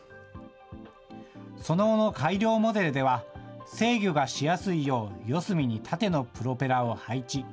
その後の改良モデルでは、制御がしやすいよう四隅に縦のプロペラを配置。